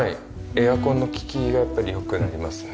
エアコンの利きがやっぱり良くなりますね。